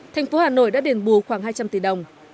thành phố hà nội đã đền bù khoảng hai trăm linh tỷ đồng